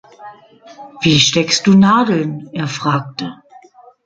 "Wie steckst du Nadeln?" er fragte.